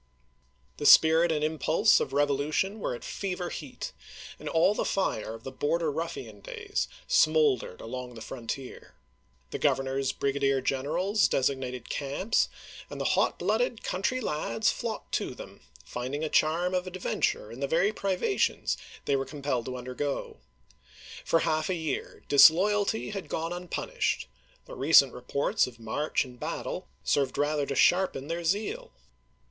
The spirit and impulse of revo lution were at fever heat, and all the fire of the Bor der Ruffian days smoldered along the frontier. The 397 398 ABEAHAM LINCOLN ch. XXIII. Governor's brigadier generals designated camps, and the hot blooded country lads flocked to them, finding a charm of adventure in the very privations they were compelled to undergo. For half a year disloyalty had gone unpunished ; the recent reports of march and battle served rather to sharpen their zeal.